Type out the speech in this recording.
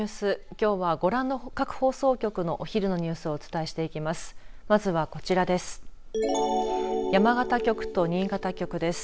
きょうはご覧の各放送局のお昼のニュースをお伝えしていきます。